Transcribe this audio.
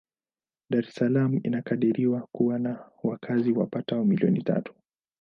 Dar es Salaam inakadiriwa kuwa na wakazi wapatao milioni tatu.